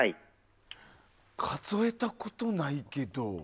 数えたことないけど。